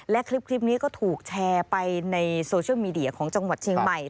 และคลิปนี้ก็ถูกแชร์ไปในโซเชียลมีเดียของจังหวัดเชียงใหม่